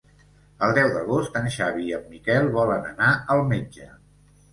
El deu d'agost en Xavi i en Miquel volen anar al metge.